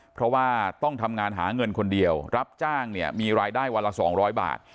เพราะว่าต้องทำงานหาเงินคนเดียวรับจ้างเนี่ยมีรายได้วันละ๒๐๐บาท